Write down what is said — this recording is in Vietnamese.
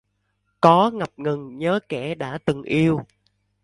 Có ngập ngừng nhớ kẻ đã từng yêu?